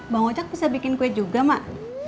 bang ocek bisa bikin kue juga mak